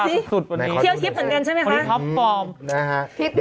อ๋อพี่สุดพอนี้คลิปนะครับเปิดเข้าไปดูสิเคลียวทิพย์เหมือนกันใช่ไหมคะ